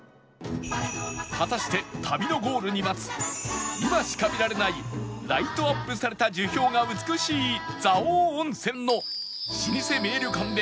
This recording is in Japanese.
果たして旅のゴールに待つ今しか見られないライトアップされた樹氷が美しい蔵王温泉の老舗名旅館で味わう